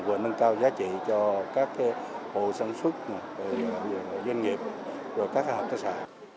vừa nâng cao giá trị cho các hộ sản xuất doanh nghiệp các hợp tác xã